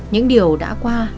những điều đã qua